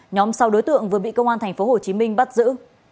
nhóm sau đối tượng vừa bị công an tp hồ chí minh bắt giữ